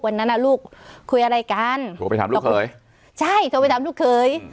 วันนั้นอ่ะลูกคุยอะไรกันโทรไปถามลูกเขยใช่โทรไปถามลูกเขย